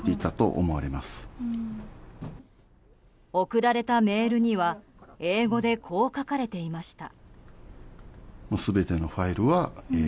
送られたメールには英語でこう書かれていました。